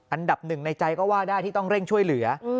อันดับหนึ่งในใจก็ว่าได้ที่ต้องเร่งช่วยเหลือ